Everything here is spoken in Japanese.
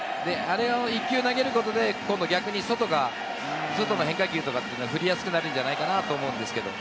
あれを１球、投げることで逆に外の変化球とか振りやすくなるんじゃないかなと思うんですけれども。